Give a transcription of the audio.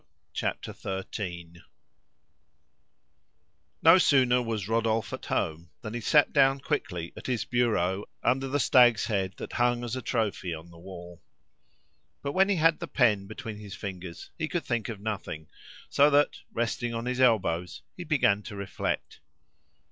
Chapter Thirteen No sooner was Rodolphe at home than he sat down quickly at his bureau under the stag's head that hung as a trophy on the wall. But when he had the pen between his fingers, he could think of nothing, so that, resting on his elbows, he began to reflect.